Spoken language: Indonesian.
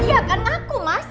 iya kan aku mas